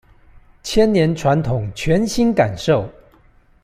千年傳統全新感受